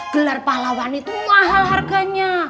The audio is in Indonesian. gelar pahlawan itu mahal harganya